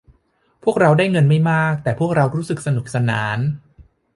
พวกเราได้เงินไม่มากแต่พวกเรารู้สึกสนุกสนาน